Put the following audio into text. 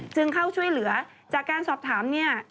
เข้าช่วยเหลือจากการสอบถามเนี่ย